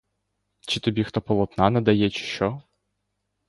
Чи тобі хто полотна не дає, чи що?